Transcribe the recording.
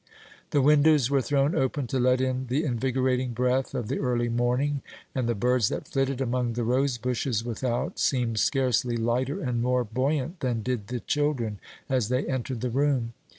The windows were thrown open to let in the invigorating breath of the early morning, and the birds that flitted among the rosebushes without seemed scarcely lighter and more buoyant than did the children as they entered the room.